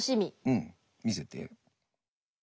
うん見せて。